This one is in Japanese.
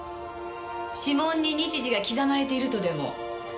指紋に日時が刻まれているとでも？